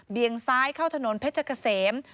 ี่ยงซ้ายเข้าถนนเพชรเกษม